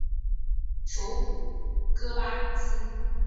首府戈巴比斯。